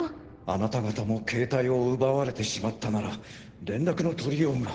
あなた方も携帯を奪われてしまったなら連絡の取りようが。